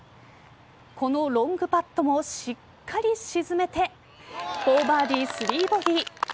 このロングパットもしっかり沈めて４バーディー、３ボギー。